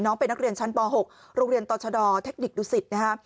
น้องเป็นนักเรียนชั้นป๖โรงเรียนต่อชะดอร์เทคนิคดุศิษย์นะฮะ